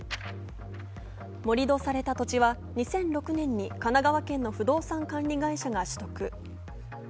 盛り土された土地は２００６年に神奈川県の不動産管理会社が取得。